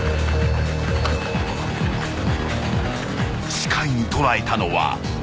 ［視界に捉えたのは］